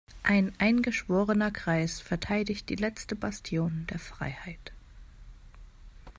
Ein eingeschworener Kreis verteidigt die letzte Bastion der Freiheit.